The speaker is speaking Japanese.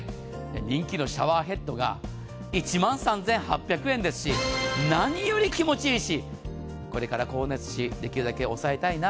人気のシャワーヘッドが１万３８００円ですし何より気持ちいいしこれから光熱費できるだけ抑えたいな。